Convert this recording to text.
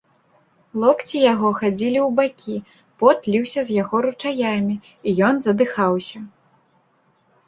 Локці яго хадзілі ў бакі, пот ліўся з яго ручаямі, і ён задыхаўся.